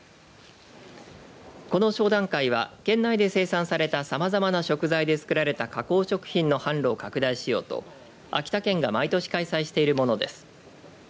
この商談会は県内で生産されたさまざまな食材で作られた加工食品の販路を拡大しようと秋田県が毎年開催しているものです。